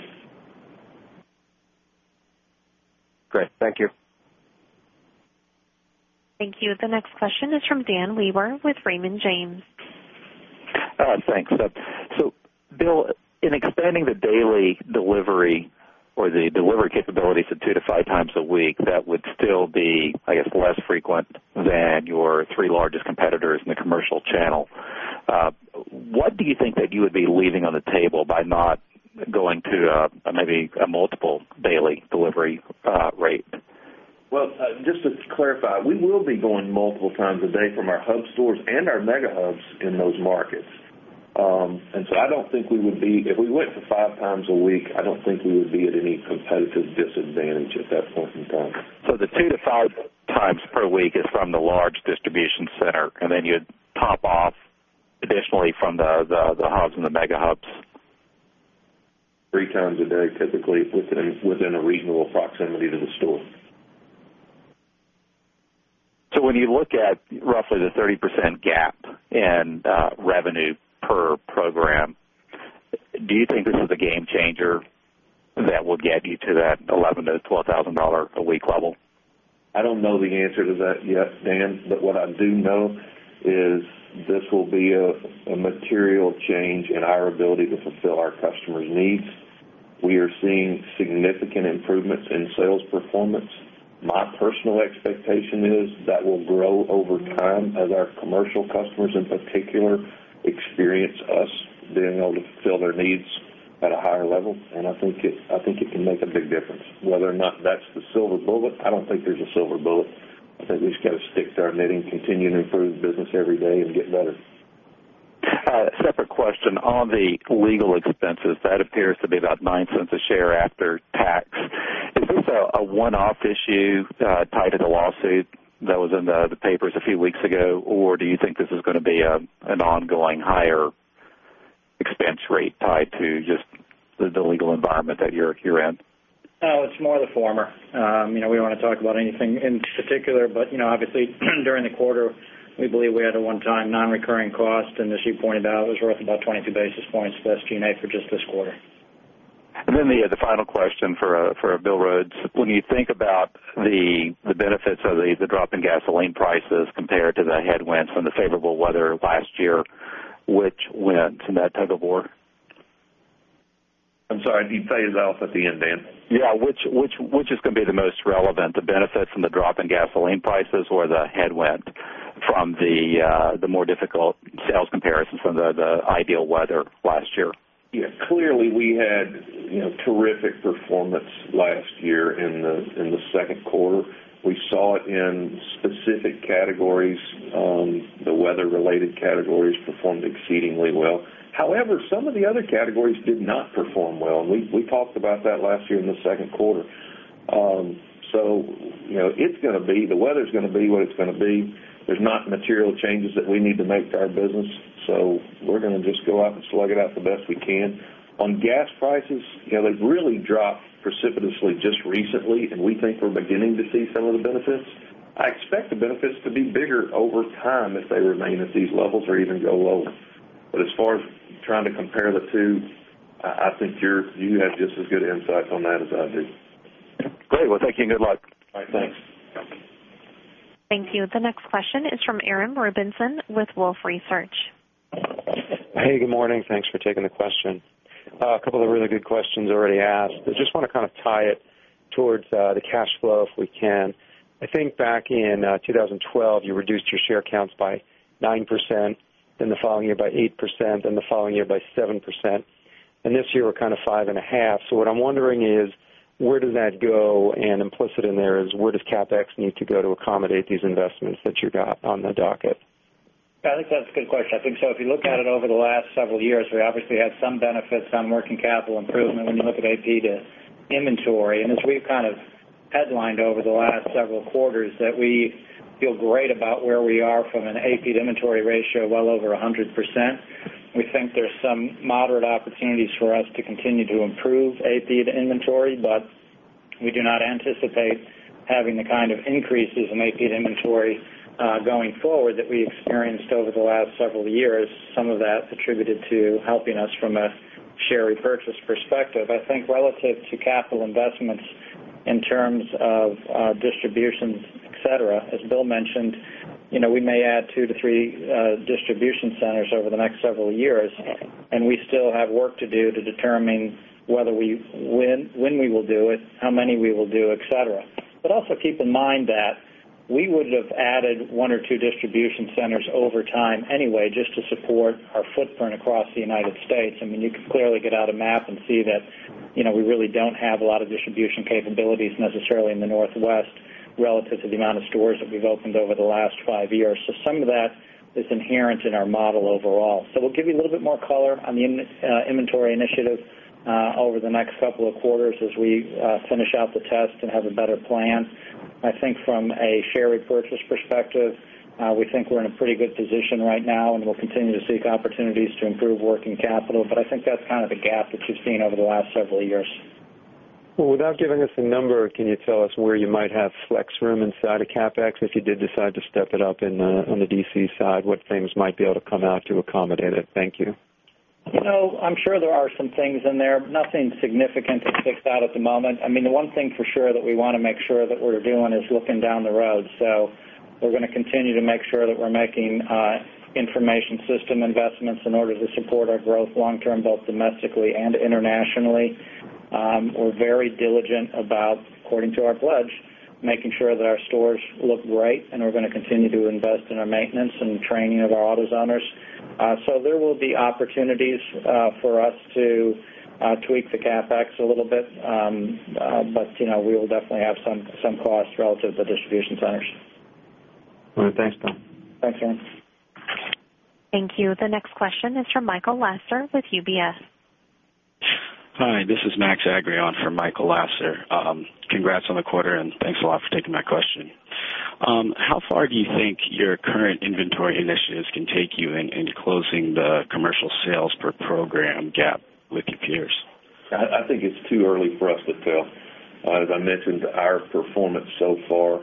Great. Thank you. Thank you. The next question is from Dan Wewer with Raymond James. Thanks. Bill, in expanding the daily delivery or the delivery capabilities to two to five times a week, that would still be, I guess, less frequent than your three largest competitors in the commercial channel. What do you think that you would be leaving on the table by not going to maybe a multiple daily delivery rate? Well, just to clarify, we will be going multiple times a day from our hub stores and our mega hubs in those markets. I don't think If we went to five times a week, I don't think we would be at any competitive disadvantage at that point in time. The two to five times per week is from the large distribution center, and then you'd top off additionally from the hubs and the mega hubs. Three times a day, typically within a reasonable proximity to the store. When you look at roughly the 30% gap in revenue per program, do you think this is a game changer that will get you to that $11,000-$12,000 a week level? I don't know the answer to that yet, Dan. What I do know is this will be a material change in our ability to fulfill our customers' needs. We are seeing significant improvements in sales performance. My personal expectation is that will grow over time as our commercial customers, in particular, experience us being able to fulfill their needs at a higher level. I think it can make a big difference. Whether or not that's the silver bullet, I don't think there's a silver bullet. I think we've just got to stick to our knitting, continue to improve the business every day and get better. A separate question on the legal expenses. That appears to be about $0.09 a share after tax. Is this a one-off issue tied to the lawsuit that was in the papers a few weeks ago, or do you think this is going to be an ongoing higher expense rate tied to just the legal environment that you're in? It's more the former. We don't want to talk about anything in particular, obviously during the quarter, we believe we had a one-time non-recurring cost, as you pointed out, it was worth about 22 basis points less G&A for just this quarter. The final question for Bill Rhodes. When you think about the benefits of the drop in gasoline prices compared to the headwinds from the favorable weather last year, which wins in that tug of war? I'm sorry. Could you say it off at the end, Dan? Yeah. Which is going to be the most relevant, the benefits from the drop in gasoline prices or the headwind from the more difficult sales comparisons from the ideal weather last year? Yeah. Clearly, we had terrific performance last year in the second quarter. We saw it in specific categories. The weather-related categories performed exceedingly well. However, some of the other categories did not perform well, and we talked about that last year in the second quarter. The weather's going to be what it's going to be. There's not material changes that we need to make to our business. We're going to just go out and slug it out the best we can. On gas prices, they've really dropped precipitously just recently, and we think we're beginning to see some of the benefits. I expect the benefits to be bigger over time if they remain at these levels or even go lower. As far as trying to compare the two, I think you have just as good insights on that as I do. Great. Well, thank you and good luck. All right. Thanks. Thank you. The next question is from Aaron Rakers with Wolfe Research. Hey, good morning. Thanks for taking the question. Just want to kind of tie it towards the cash flow if we can. I think back in 2012, you reduced your share counts by 9%, then the following year by 8%, then the following year by 7%. This year we're kind of 5.5%. What I'm wondering is where does that go? Implicit in there is where does CapEx need to go to accommodate these investments that you got on the docket? I think that's a good question. I think so. If you look at it over the last several years, we obviously had some benefits, some working capital improvement when you look at AP to inventory. As we've kind of headlined over the last several quarters that we feel great about where we are from an AP to inventory ratio well over 100%. We think there's some moderate opportunities for us to continue to improve AP to inventory. We do not anticipate having the kind of increases in AP to inventory going forward that we experienced over the last several years. Some of that attributed to helping us from a share repurchase perspective. I think relative to capital investments in terms of distributions, et cetera, as Bill mentioned, we may add two to three distribution centers over the next several years, and we still have work to do to determine when we will do it, how many we will do, et cetera. Also keep in mind that we would have added one or two distribution centers over time anyway just to support our footprint across the U.S. You can clearly get out a map and see that we really don't have a lot of distribution capabilities necessarily in the Northwest relative to the amount of stores that we've opened over the last five years. Some of that is inherent in our model overall. We'll give you a little bit more color on the inventory initiative over the next couple of quarters as we finish out the test and have a better plan. I think from a share repurchase perspective, we think we're in a pretty good position right now, and we'll continue to seek opportunities to improve working capital, but I think that's kind of the gap that you've seen over the last several years. Well, without giving us a number, can you tell us where you might have flex room inside of CapEx if you did decide to step it up on the DC side, what things might be able to come out to accommodate it? Thank you. I'm sure there are some things in there. Nothing significant to pick out at the moment. The one thing for sure that we want to make sure that we're doing is looking down the road. We're going to continue to make sure that we're making information system investments in order to support our growth long term, both domestically and internationally. We're very diligent about, according to our pledge, making sure that our stores look right, and we're going to continue to invest in our maintenance and training of our AutoZoners. There will be opportunities for us to tweak the CapEx a little bit. We will definitely have some costs relative to distribution centers. All right. Thanks, Tom. Thanks, Dan. Thank you. The next question is from Michael Lasser with UBS. Hi, this is Max Rakhlenko for Michael Lasser. Congrats on the quarter, thanks a lot for taking my question. How far do you think your current inventory initiatives can take you in closing the commercial sales per program gap with your peers? I think it's too early for us to tell. As I mentioned, our performance so far,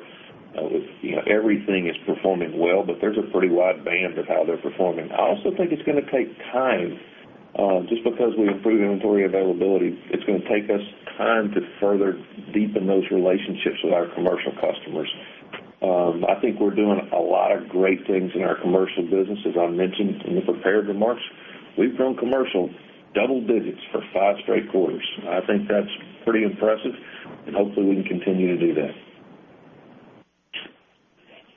everything is performing well, but there's a pretty wide band of how they're performing. I also think it's going to take time. Just because we improve inventory availability, it's going to take us time to further deepen those relationships with our commercial customers. I think we're doing a lot of great things in our commercial business. As I mentioned in the prepared remarks, we've grown commercial double digits for five straight quarters. I think that's pretty impressive, and hopefully we can continue to do that.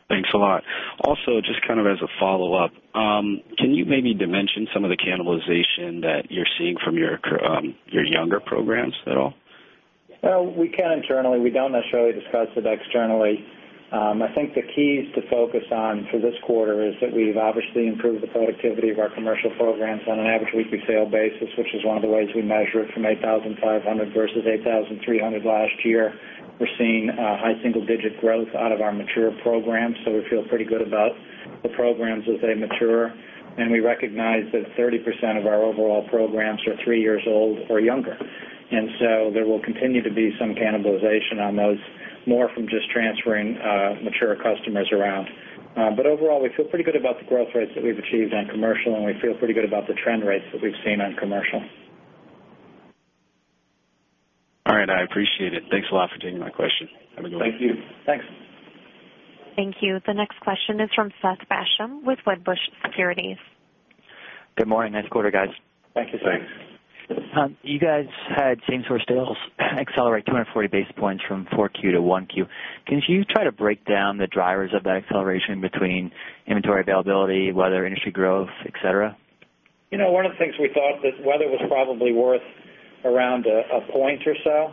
Thanks a lot. Also, just as a follow-up, can you maybe dimension some of the cannibalization that you're seeing from your younger programs at all? We can internally. We don't necessarily discuss it externally. I think the keys to focus on for this quarter is that we've obviously improved the productivity of our commercial programs on an average weekly sale basis, which is one of the ways we measure it from 8,500 versus 8,300 last year. We're seeing high single-digit growth out of our mature programs, so we feel pretty good about the programs as they mature, and we recognize that 30% of our overall programs are three years old or younger. There will continue to be some cannibalization on those, more from just transferring mature customers around. Overall, we feel pretty good about the growth rates that we've achieved on commercial, and we feel pretty good about the trend rates that we've seen on commercial. All right. I appreciate it. Thanks a lot for taking my question. Have a good one. Thank you. Thanks. Thank you. The next question is from Seth Basham with Wedbush Securities. Good morning. Nice quarter, guys. Thank you, Seth. Thanks. You guys had same-store sales accelerate 240 basis points from 4Q to 1Q. Can you try to break down the drivers of that acceleration between inventory availability, weather, industry growth, et cetera? One of the things we thought that weather was probably worth around a point or so.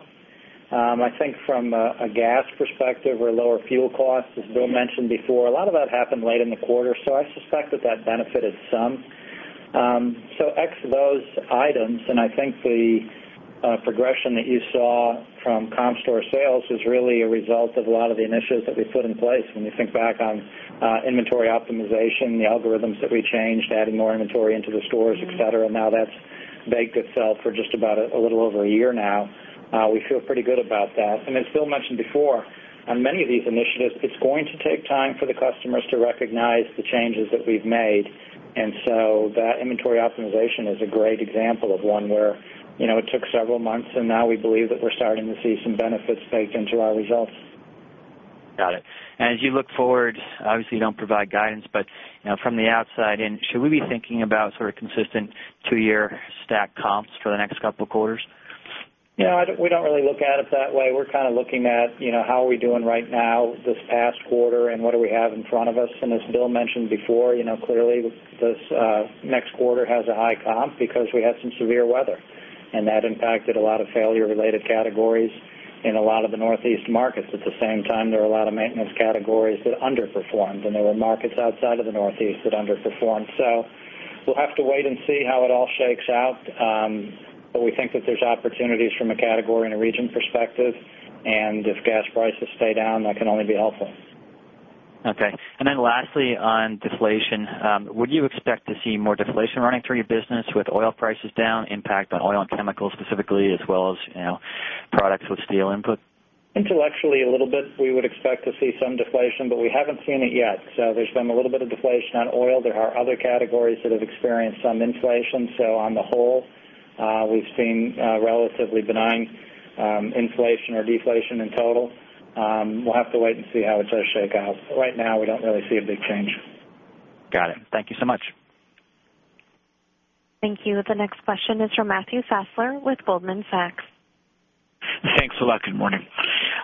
I think from a gas perspective or lower fuel costs, as Bill mentioned before, a lot of that happened late in the quarter, I suspect that that benefited some. X those items, I think the progression that you saw from comp store sales is really a result of a lot of the initiatives that we put in place. When you think back on inventory optimization, the algorithms that we changed, adding more inventory into the stores, et cetera. That's baked itself for just about a little over a year now. We feel pretty good about that. As Bill mentioned before, on many of these initiatives, it's going to take time for the customers to recognize the changes that we've made. That inventory optimization is a great example of one where it took several months, and now we believe that we're starting to see some benefits bake into our results. Got it. As you look forward, obviously, you don't provide guidance, but from the outside in, should we be thinking about sort of consistent two-year stack comps for the next couple of quarters? We don't really look at it that way. We're kind of looking at how are we doing right now this past quarter and what do we have in front of us. As Bill mentioned before, clearly this next quarter has a high comp because we had some severe weather, that impacted a lot of failure-related categories in a lot of the Northeast markets. At the same time, there were a lot of maintenance categories that underperformed, there were markets outside of the Northeast that underperformed. We'll have to wait and see how it all shakes out, but we think that there's opportunities from a category and a region perspective, and if gas prices stay down, that can only be helpful. Okay. Lastly, on deflation, would you expect to see more deflation running through your business with oil prices down, impact on oil and chemicals specifically, as well as products with steel input? Intellectually, a little bit. We would expect to see some deflation, but we haven't seen it yet. There's been a little bit of deflation on oil. There are other categories that have experienced some inflation. On the whole, we've seen relatively benign inflation or deflation in total. We'll have to wait and see how it's going to shake out, but right now, we don't really see a big change. Got it. Thank you so much. Thank you. The next question is from Matthew Fassler with Goldman Sachs. Thanks a lot. Good morning.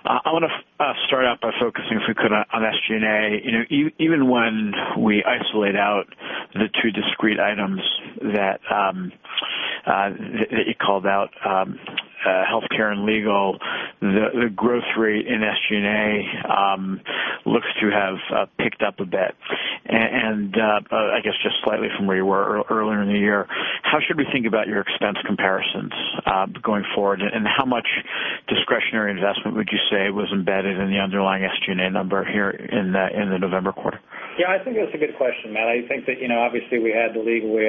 I want to start out by focusing, if we could, on SG&A. Even when we isolate out the two discrete items that you called out, healthcare and legal, the growth rate in SG&A looks to have picked up a bit. I guess just slightly from where you were earlier in the year. How should we think about your expense comparisons going forward, and how much discretionary investment would you say was embedded in the underlying SG&A number here in the November quarter? Yeah, I think that's a good question, Matt. I think that obviously we had the legal, we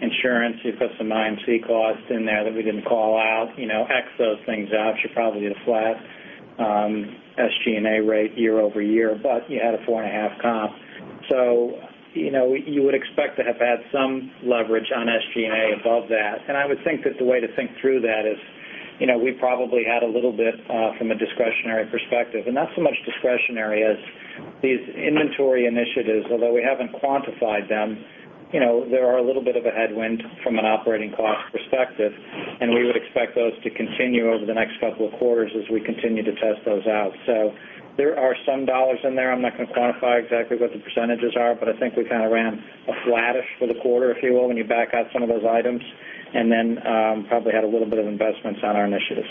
had insurance. You put some IMC costs in there that we didn't call out. X those things out, should probably be a flat SG&A rate year-over-year. You had a four and a half comp, so you would expect to have had some leverage on SG&A above that. I would think that the way to think through that is, we probably had a little bit from a discretionary perspective. Not so much discretionary as these inventory initiatives, although we haven't quantified them. They are a little bit of a headwind from an operating cost perspective, and we would expect those to continue over the next couple of quarters as we continue to test those out. There are some dollars in there. I'm not going to quantify exactly what the percentages are, I think we ran a flattish for the quarter, if you will, when you back out some of those items, and then probably had a little bit of investments on our initiatives.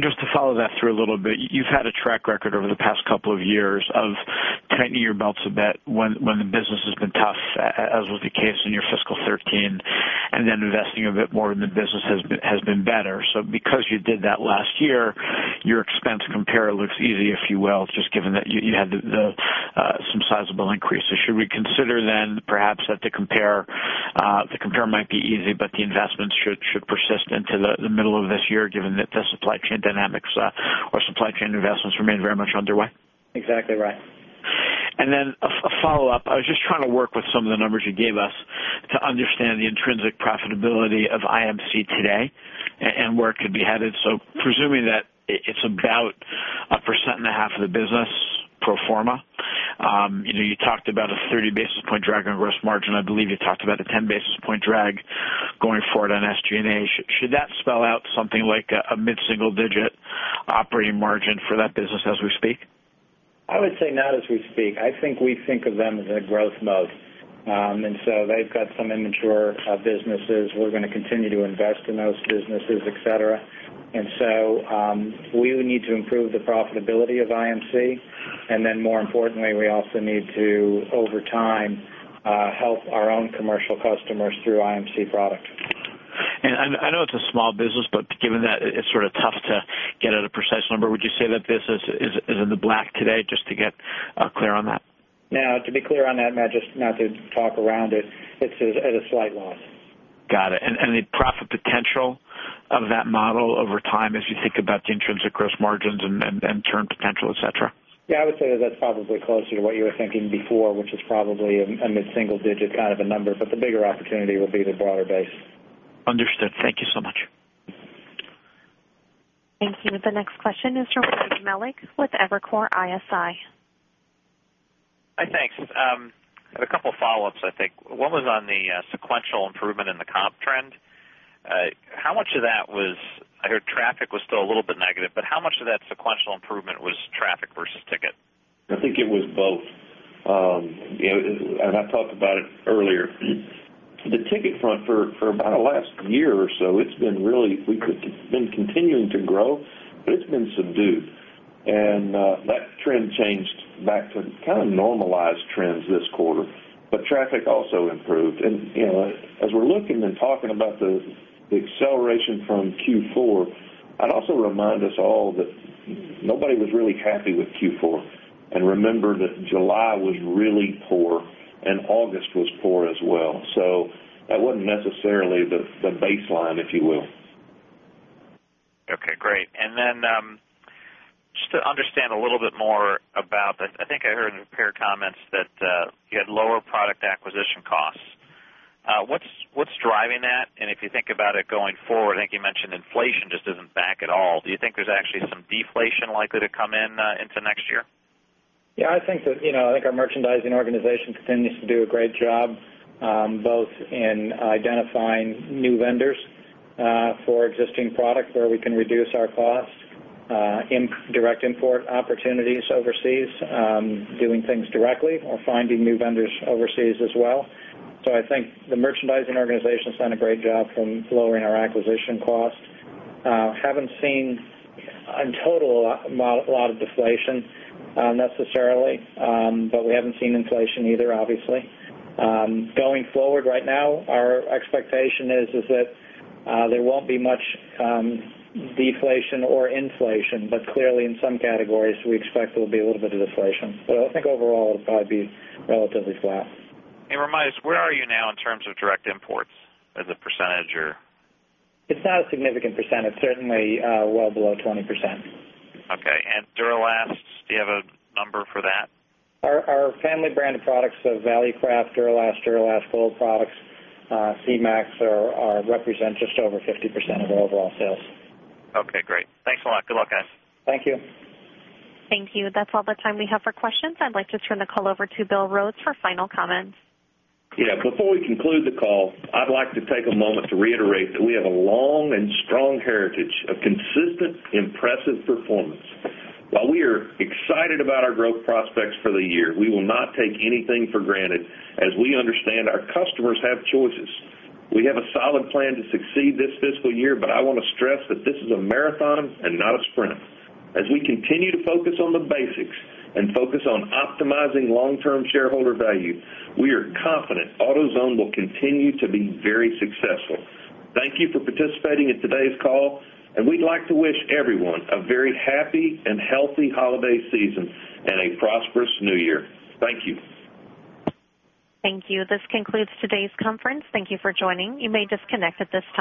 Just to follow that through a little bit, you've had a track record over the past couple of years of tightening your belts a bit when the business has been tough, as was the case in your fiscal 2013, and then investing a bit more when the business has been better. Because you did that last year, your expense compare looks easy, if you will, just given that you had some sizable increases. Should we consider perhaps that the compare might be easy, but the investments should persist into the middle of this year, given that the supply chain dynamics or supply chain investments remain very much underway? Exactly right. A follow-up. I was just trying to work with some of the numbers you gave us to understand the intrinsic profitability of IMC today and where it could be headed. Presuming that it's about 1.5% of the business pro forma. You talked about a 30-basis point drag on gross margin. I believe you talked about a 10-basis point drag going forward on SG&A. Should that spell out something like a mid-single digit operating margin for that business as we speak? I would say not as we speak. I think we think of them as a growth mode. They've got some immature businesses. We're going to continue to invest in those businesses, et cetera. We would need to improve the profitability of IMC. More importantly, we also need to, over time, help our own commercial customers through IMC products. I know it's a small business, but given that it's sort of tough to get at a precise number, would you say that this is in the black today, just to get clear on that? No, to be clear on that, Matt, just not to talk around it's at a slight loss. Got it. The profit potential of that model over time, as you think about the intrinsic gross margins and turn potential, et cetera? Yeah, I would say that's probably closer to what you were thinking before, which is probably a mid-single digit kind of a number. The bigger opportunity will be the broader base. Understood. Thank you so much. Thank you. The next question is from Scot Ciccarelli with Evercore ISI. Hi, thanks. I have a couple follow-ups, I think. One was on the sequential improvement in the comp trend. I heard traffic was still a little bit negative, but how much of that sequential improvement was traffic versus ticket? I think it was both. I talked about it earlier. The ticket front for about the last year or so, we've been continuing to grow, but it's been subdued. That trend changed back to kind of normalized trends this quarter, but traffic also improved. As we're looking and talking about the acceleration from Q4, I'd also remind us all that nobody was really happy with Q4. Remember that July was really poor and August was poor as well. That wasn't necessarily the baseline, if you will. Okay, great. Then just to understand a little bit more about that, I think I heard in the prepared comments that you had lower product acquisition costs. What's driving that? If you think about it going forward, I think you mentioned inflation just isn't back at all. Do you think there's actually some deflation likely to come in into next year? I think our merchandising organization continues to do a great job, both in identifying new vendors for existing product where we can reduce our cost, in direct import opportunities overseas, doing things directly or finding new vendors overseas as well. I think the merchandising organization's done a great job from lowering our acquisition cost. Haven't seen, in total, a lot of deflation necessarily, but we haven't seen inflation either, obviously. Going forward right now, our expectation is that there won't be much deflation or inflation, clearly in some categories, we expect there will be a little bit of deflation. I think overall it will probably be relatively flat. Ramya, where are you now in terms of direct imports as a percentage? It's not a significant percent. It's certainly well below 20%. Okay. Duralast, do you have a number for that? Our family branded products, so Valucraft, Duralast Gold products, C-Max represent just over 50% of our overall sales. Okay, great. Thanks a lot. Good luck, guys. Thank you. Thank you. That's all the time we have for questions. I'd like to turn the call over to Bill Rhodes for final comments. Yeah, before we conclude the call, I'd like to take a moment to reiterate that we have a long and strong heritage of consistent, impressive performance. While we are excited about our growth prospects for the year, we will not take anything for granted as we understand our customers have choices. We have a solid plan to succeed this fiscal year, but I want to stress that this is a marathon and not a sprint. As we continue to focus on the basics and focus on optimizing long-term shareholder value, we are confident AutoZone will continue to be very successful. Thank you for participating in today's call, and we'd like to wish everyone a very happy and healthy holiday season and a prosperous new year. Thank you. Thank you. This concludes today's conference. Thank you for joining. You may disconnect at this time.